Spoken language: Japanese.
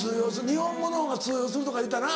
日本語の方が通用するとか言うてたな。